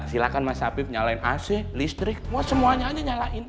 silahkan mas hafib nyalain ac listrik mau semuanya aja nyalain